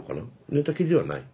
寝たきりではない？